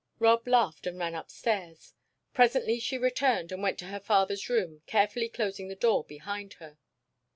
Rob laughed and ran upstairs. Presently she returned, and went to her father's room, carefully closing the door behind her.